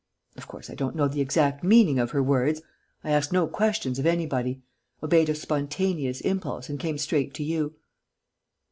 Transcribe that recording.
Of course, I don't know the exact meaning of her words.... I asked no questions of anybody ... obeyed a spontaneous impulse and came straight to you."